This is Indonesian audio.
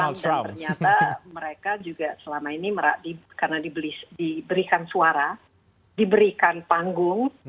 ternyata mereka juga selama ini karena diberikan suara diberikan panggung